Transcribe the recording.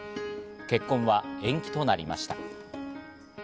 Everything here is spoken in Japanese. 結婚は延期となりました。